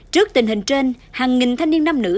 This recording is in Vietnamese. trước tình hình trên hàng nghìn thanh niên nam nữ